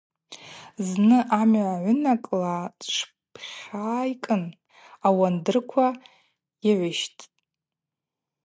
Зны амгӏва агӏвынакӏла тшпхьайкӏьын, ауандырква йыгӏвищттӏ.